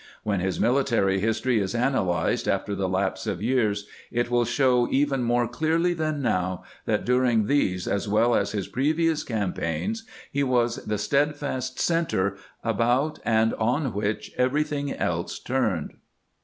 When his military history is analyzed after the lapse of years, it will show even more clearly than now that during these, as well as his previous campaigns, he was the steadfast center about and on which everything else turned."